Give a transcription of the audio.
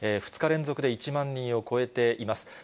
２日連続で１万人を超えています。